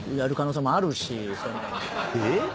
えっ？